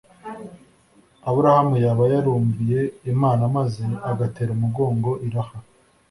aburahamu yaba yarumviye imana maze agatera umugongo iraha